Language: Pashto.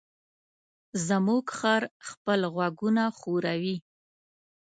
زموږ خر خپل غوږونه ښوروي.